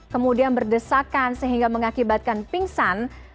kemudian berdesakan sehingga mengakibatkan pingsan